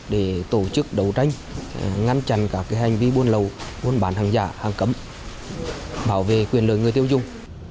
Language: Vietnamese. để tổ chức đấu tranh ngăn chặn các hành vi buôn lậu buôn bán hàng giả hàng cấm bảo vệ quyền lợi người tiêu dùng